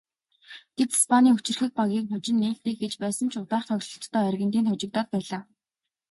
Тэд Испанийн хүчирхэг багийг хожин нээлтээ хийж байсан ч удаах тоглолтдоо Аргентинд хожигдоод байлаа.